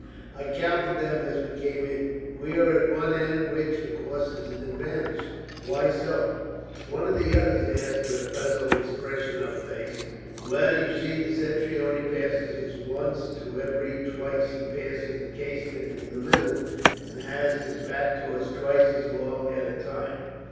I counted them as we came in. We are at one end, which, of course, is an advantage." "Why so?" one of the others asked with a puzzled expression of face. "Well, you see, the sentry only passes us once to every twice he passes the casemate in the middle, and has his back to us twice as long at a time."